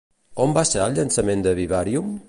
On va ser el llançament de Vivarium?